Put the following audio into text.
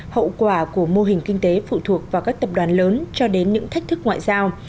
hậu quả của mô hình kinh tế phụ thuộc vào các tập đoàn lớn cho đến những thách thức ngoại giao